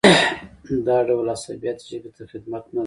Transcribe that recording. دا ډول عصبیت ژبې ته خدمت نه دی.